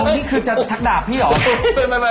นี่คือจะชักดาบพี่เหรอ